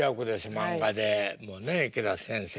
漫画でもね池田先生の。